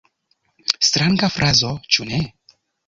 Stranga frazo, ĉu ne?